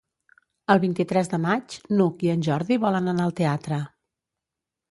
El vint-i-tres de maig n'Hug i en Jordi volen anar al teatre.